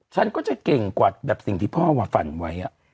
ฉันก็จะเก่งกว่าแบบสิ่งที่พ่อฝันไว้